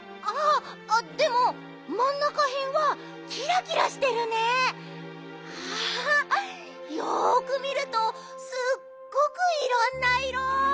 あっでもまんなかへんはキラキラしてるね！はよくみるとすっごくいろんないろ！